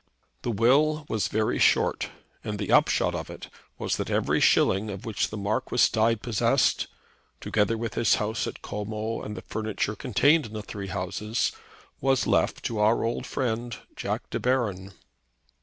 The will was very short, and the upshot of it was that every shilling of which the Marquis died possessed, together with his house at Como and the furniture contained in the three houses, was left to our old friend Jack De Baron.